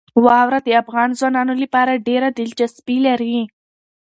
واوره د افغان ځوانانو لپاره ډېره دلچسپي لري.